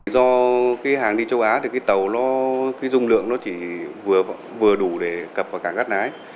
do hàng đi châu á tàu dung lượng chỉ vừa đủ để cập vào cảng cắt lái